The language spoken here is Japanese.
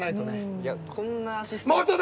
いやこんなアシスタント。